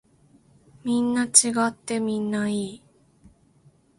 みんな違ってみんないい。